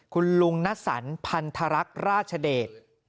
คุณลุงนัสสันพันธรรคราชเดช